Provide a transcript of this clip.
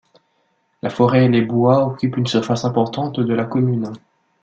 La forêt et les bois occupent une surface importante de la commune.